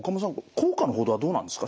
効果の程はどうなんですか？